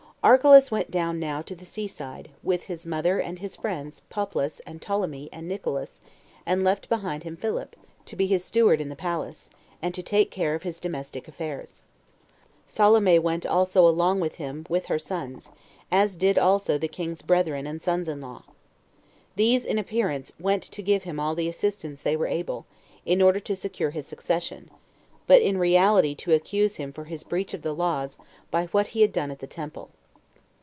1. Archelaus went down now to the sea side, with his mother and his friends, Poplas, and Ptolemy, and Nicolaus, and left behind him Philip, to be his steward in the palace, and to take care of his domestic affairs. Salome went also along with him with her sons, as did also the king's brethren and sons in law. These, in appearance, went to give him all the assistance they were able, in order to secure his succession, but in reality to accuse him for his breach of the laws by what he had done at the temple.